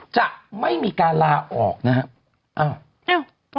จะไม่มีการลาออกนะครับ